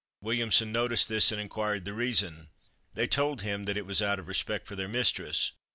Williamson noticed this, and inquired the reason? They told him that it was out of respect for their mistress.